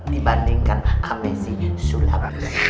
dibandingkan amai si sulam